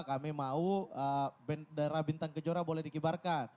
kami mau daerah bintang kejora boleh dikibarkan